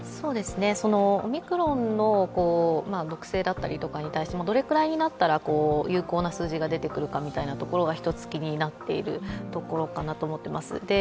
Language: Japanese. オミクロンの毒性だったりとかに対して、どれくらいになったら有効な数字が出てくるかみたいなところが一つ気になっているところかなと思います。